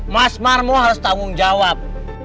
mas marmo harus tanggung jawab